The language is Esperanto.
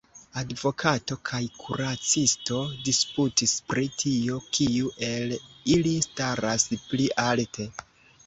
Advokato kaj kuracisto disputis pri tio, kiu el ili staras pli alte.